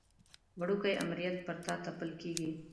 وړوکی امریت پر تا تپل کېږي.